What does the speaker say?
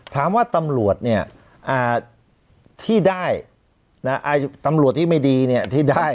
ถามว่าตำรวจเนี่ยที่ได้ตำรวจที่ไม่ดีเนี่ยที่ได้